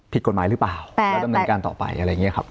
ผิดกฎหมายหรือเปล่าแล้วดำเนินการต่อไปอะไรอย่างนี้ครับ